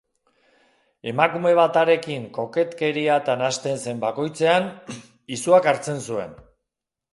Emakume bat harekin koketkeriatan hasten zen bakoitzean, izuak hartzen zuen.